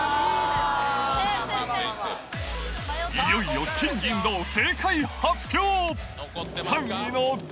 いよいよ、金、銀、銅、正解発表。